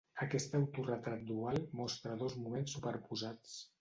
Aquest autoretrat dual mostra dos moments superposats.